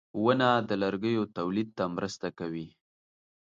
• ونه د لرګیو تولید ته مرسته کوي.